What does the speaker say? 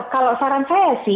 kalau saran saya sih